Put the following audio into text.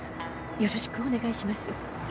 よろしくお願いします。